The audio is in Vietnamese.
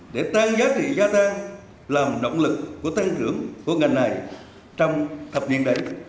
để tăng giá trị gia tăng làm động lực của tăng trưởng của ngành này trong thập niên đầy